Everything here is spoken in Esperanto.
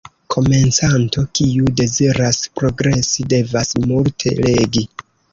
Komencanto, kiu deziras progresi, devas multe legi.